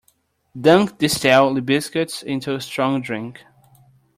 Dunk the stale biscuits into strong drink.